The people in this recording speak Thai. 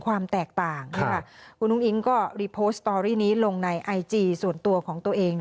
ความแตกต่างค่ะคุณลุ้งอิ๊งก็หลงในไอจีส่วนตัวของตัวเอง